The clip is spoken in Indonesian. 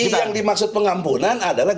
yang dimaksud pengampunan adalah